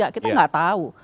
kita nggak tahu